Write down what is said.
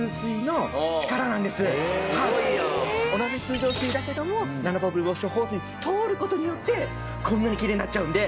同じ水道水だけどもナノバブルウォッシュホースを通る事によってこんなにきれいになっちゃうんで。